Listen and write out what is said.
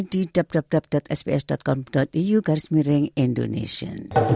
situs kami di www sbs com au garis miring indonesia